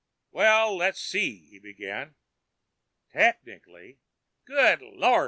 "Well, let's see," he began. "Technically " "Good Lord!"